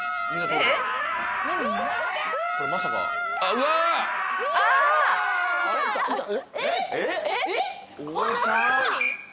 うわ！えっ？